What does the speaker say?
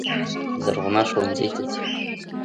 زرغونه ښوونځي ته ځي.